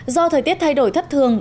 do thời tiết thay đổi thất thường